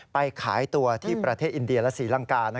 ไปขายตัวที่ประเทศอินเดียและศรีลังกา